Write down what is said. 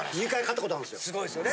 すごいですよね。